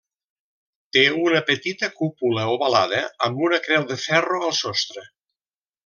Té una petita cúpula ovalada amb una creu de ferro al sostre.